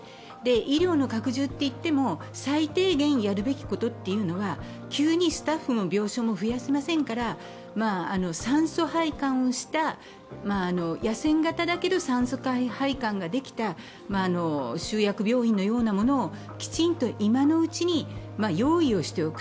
医療の拡充といっても最低限やるべきことっていうのは急にスタッフも病床も増やせませんから野戦型だけど酸素配管ができた集約病院のようなものをきちんと今のうちに用意をしておく。